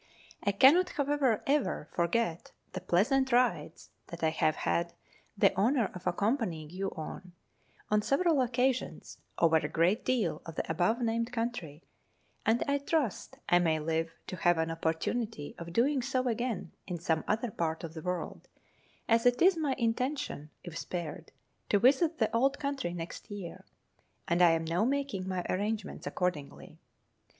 I cannot, however, ever forget the pleasant rides that I. have had the honour of accompanying you on, on several occasions, over a great deal of the above named country, and I trust I may live to have an opportunity of doing so again in some other part of the Avorld, as it is my intention (if spared) to visit the old country next year, and I am now making my arrangements accordingly.